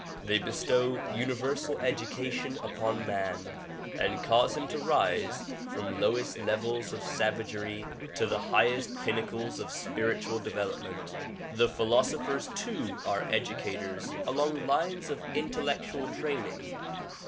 They bestow uni versal education upon man and cause him to rise from lowest levels of savagery to the highest pinnacles of spiritual develop ment. The philosophers too are educators along lines of intellectual training.